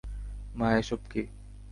মা, এসব কী?